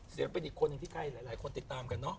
เสียเป็นอีกคนที่ใกล้หลายคนติดตามกันเนาะ